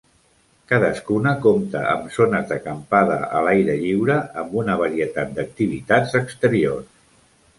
Cadascuna compta amb zones d'acampada a l'aire lliure amb una varietat d'activitats exteriors.